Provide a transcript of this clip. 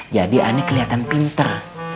jadi ane kelihatan pinter